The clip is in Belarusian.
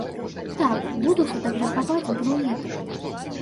Так, буду фатаграфаваць брунетак.